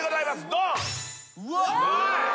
ドン。